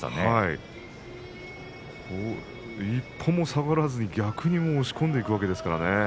一歩も下がらずに逆に押し込んでいくわけですからね。